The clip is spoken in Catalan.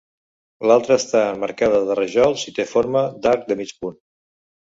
L'altra està emmarcada de rajols i té forma d'arc de mig punt.